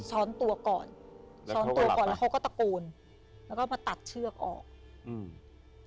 ซ้อนตัวก่อนซ้อนตัวก่อนแล้วเขาก็ตะโกนแล้วก็มาตัดเชือกออกอืม